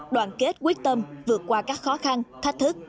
đoàn kết quyết tâm vượt qua các khó khăn thách thức